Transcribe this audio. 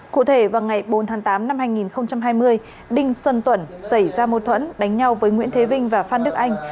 cụ thể vào ngày bốn tháng tám năm hai nghìn hai mươi đinh xuân tuẩn xảy ra mâu thuẫn đánh nhau với nguyễn thế vinh và phan đức anh